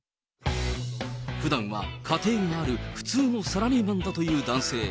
ふだんは家庭がある普通のサラリーマンだという男性。